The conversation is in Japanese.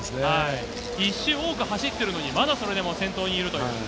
１周多く走っているのに、まだそれでも先頭にいるという。